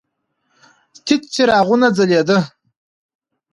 تت څراغونه ځلېدل.